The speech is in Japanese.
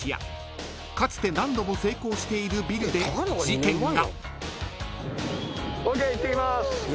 ［かつて何度も成功しているビルで事件が］